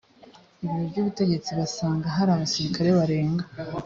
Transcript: ibiro by’ubutegetsi basanga hari abasirikare barenga